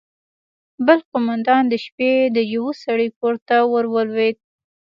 بل قومندان د شپې د يوه سړي کور ته ورولوېد.